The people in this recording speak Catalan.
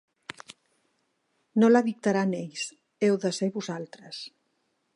No la dictaran ells, heu de ser vosaltres.